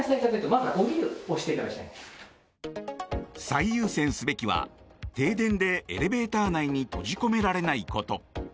最優先すべきは停電でエレベーター内に閉じ込められないこと。